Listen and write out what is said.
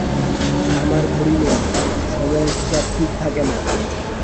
আমার ঘড়ি নেই, সময়ের হিসাব ঠিক থাকে না।